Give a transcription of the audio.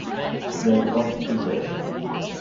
They want to live.